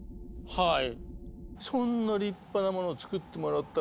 はい。